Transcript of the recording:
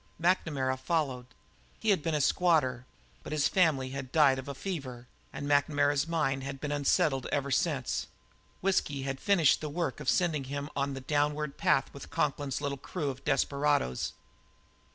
McNamara followed. He had been a squatter, but his family had died of a fever, and McNamara's mind had been unsettled ever since; whisky had finished the work of sending him on the downward path with Conklin's little crew of desperadoes.